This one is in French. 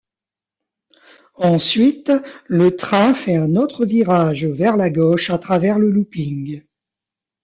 Ensuite, le train fait un autre virage vers la gauche à travers le looping.